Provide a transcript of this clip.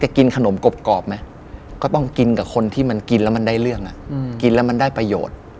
จะกินขนมกรบมั๊ย